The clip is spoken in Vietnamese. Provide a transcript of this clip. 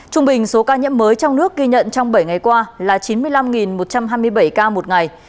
trung bình số ca nhiễm mới trong nước ghi nhận trong bảy ngày qua là chín mươi năm một trăm hai mươi bảy ca một ngày